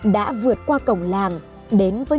đã vượt qua cổng làng đến với